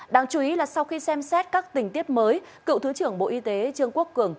đáng chú ý là sau khi xem xét các tình tiết mới cựu thứ trưởng bộ y tế trương quốc cường